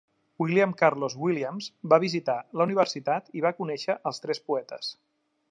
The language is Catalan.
William Carlos Williams va visitar la universitat i va conèixer als tres poetes.